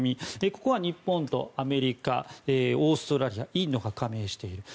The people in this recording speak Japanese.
ここは日本とアメリカオーストラリアインドが加盟しています。